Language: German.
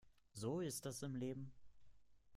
So ist das im Leben.